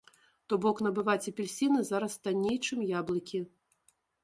То бок набываць апельсіны зараз танней, чым яблыкі.